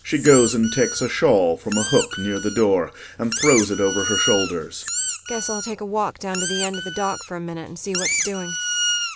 [She goes and takes a shawl from a hook near the door and throws it over her shoulders.] Guess I'll take a walk down to the end of the dock for a minute and see what's doing.